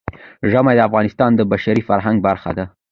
ژمی د افغانستان د بشري فرهنګ برخه ده.